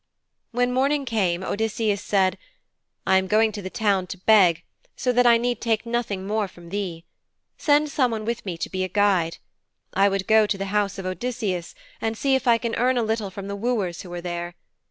When morning came, Odysseus said, 'I am going to the town to beg, so that I need take nothing more from thee. Send someone with me to be a guide. I would go to the house of Odysseus, and see if I can earn a little from the wooers who are there.